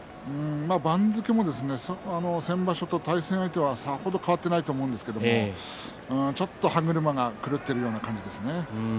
番付も先場所と対戦相手はさほど変わっていないと思うんですけれどちょっと歯車が狂っているような感じですね。